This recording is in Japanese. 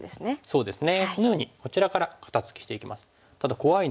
そうですね。